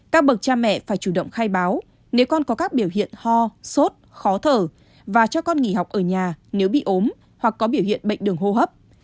các bậc cha mẹ phải chủ động khai báo nếu con có các biểu hiện ho sốt khó thở và cho con nghỉ học ở nhà nếu bị ốm hoặc có biểu hiện bệnh đường hô hấp